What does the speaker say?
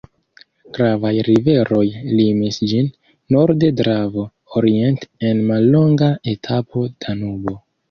Gravaj riveroj limis ĝin: norde Dravo, oriente en mallonga etapo Danubo.